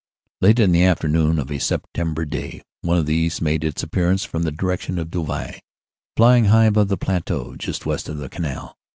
Late in the afternoon of a September day one of these made its appearance from the direction of Douai, flying high above the plateau just west of the Canal.